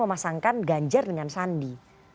memasangkan ganjar dengan sandi